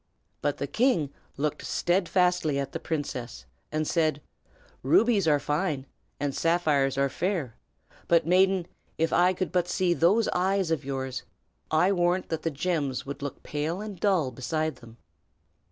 But the king looked steadfastly at the princess, and said, "Rubies are fine, and sapphires are fair; but, maiden, if I could but see those eyes of yours, I warrant that the gems would look pale and dull beside them."